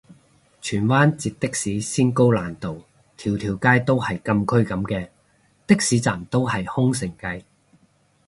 荃灣截的士先高難度，條條街都係禁區噉嘅？的士站都係空城計